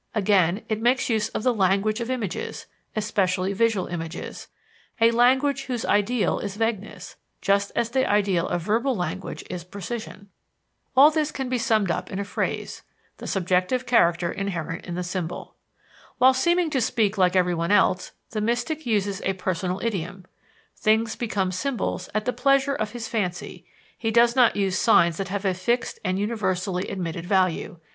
Again, it makes use of the language of images, especially visual images a language whose ideal is vagueness, just as the ideal of verbal language is precision. All this can be summed up in a phrase the subjective character inherent in the symbol. While seeming to speak like everyone else, the mystic uses a personal idiom: things becoming symbols at the pleasure of his fancy, he does not use signs that have a fixed and universally admitted value.